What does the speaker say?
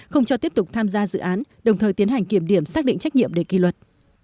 không cho tiếp tục tham gia dự án đồng thời tiến hành kiểm điểm xác định trách nhiệm để kỳ luật